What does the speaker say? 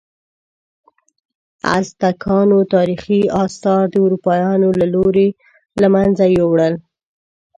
ازتکانو تاریخي آثار د اروپایانو له لوري له منځه یوړل شول.